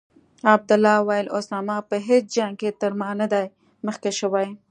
عبدالله وویل: اسامه په هیڅ جنګ کې تر ما نه دی مخکې شوی.